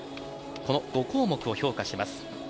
この５項目を評価します。